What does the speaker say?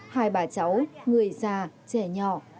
hai bà cháu người già trẻ nhỏ